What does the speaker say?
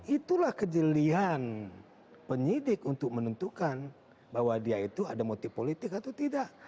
itulah kejelian penyidik untuk menentukan bahwa dia itu ada motif politik atau tidak